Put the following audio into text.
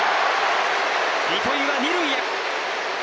糸井は二塁へ。